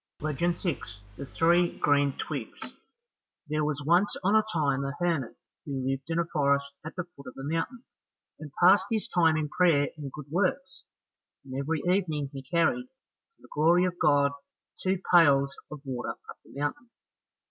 Legend 6 The Three Green Twigs There was once on a time a hermit who lived in a forest at the foot of a mountain, and passed his time in prayer and good works, and every evening he carried, to the glory of God, two pails of water up the mountain.